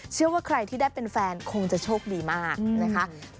เชื่อว่าใครที่ได้เป็นแฟนคงจะโชคดีมากนะคะ